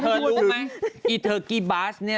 รู้ไหมอีเทอร์กี้บาสเนี่ย